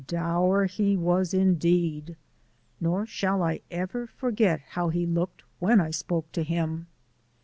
Dour he was indeed! Nor shall I ever forget how he looked when I spoke to him.